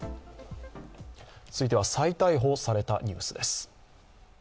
続いては再逮捕されたニュースです。